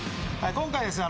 今回ですね